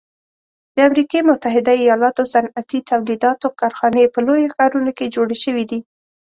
د امریکي متحده ایلاتو صنعتي تولیداتو کارخانې په لویو ښارونو کې جوړې شوي دي.